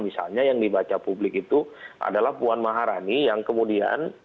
misalnya yang dibaca publik itu adalah puan maharani yang kemudian